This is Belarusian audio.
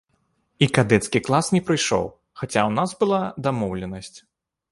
І кадэцкі клас не прыйшоў, хаця ў нас была дамоўленасць.